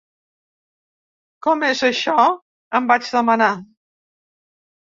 “Com és, això?”, em vaig demanar.